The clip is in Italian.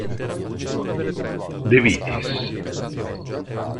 De Vitis